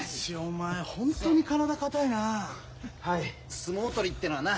相撲取りってのはな